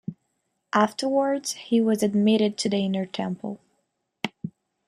Afterwards he was admitted to the Inner Temple.